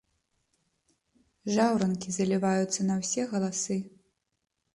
Жаўранкі заліваюцца на ўсе галасы.